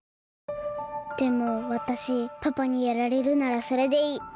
でもわたしパパにやられるならそれでいい。